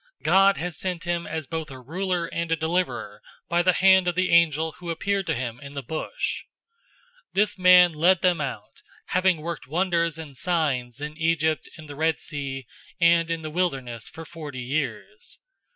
God has sent him as both a ruler and a deliverer by the hand of the angel who appeared to him in the bush. 007:036 This man led them out, having worked wonders and signs in Egypt, in the Red Sea, and in the wilderness for forty years.